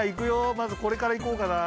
まずこれからいこうかなあ？